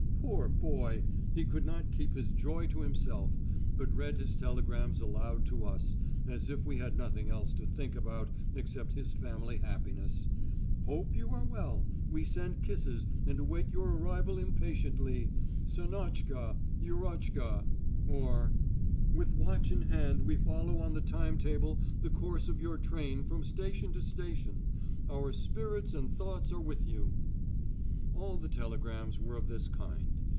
Poor boy! He could not keep his joy to himself, but read his telegrams aloud to us, as if we had nothing else to think about except his family happiness "Hope you are well. We send kisses and await your arrival impatiently. SANNOCHKA, YUROCHKA." Or: "With watch in hand we follow on the timetable the course of your train from station to station. Our spirits and thoughts are with you." All the telegrams were of this kind.